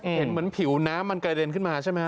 เห็นเหมือนผิวน้ำมันกระเด็นขึ้นมาใช่ไหมฮ